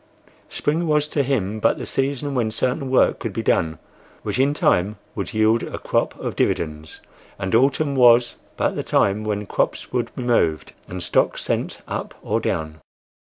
Spring was to him but the season when certain work could be done which in time would yield a crop of dividends; and Autumn was but the time when crops would be moved and stocks sent up or down.